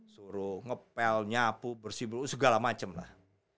suruh ngepel nyapu bersih segala macam lah